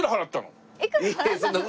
そんな事。